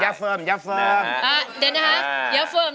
อย่าเฟิร์มอย่าเฟิร์มอย่าเฟิร์ม